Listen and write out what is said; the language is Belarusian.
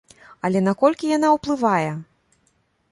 Але наколькі яна ўплывае?